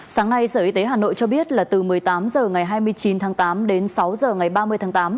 sáng nay sở y tế hà nội cho biết là từ một mươi tám h ngày hai mươi chín tháng tám đến sáu h ngày ba mươi tháng tám